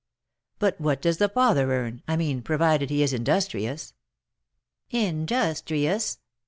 "But what does the father earn, I mean, provided he is industrious?" "Industrious!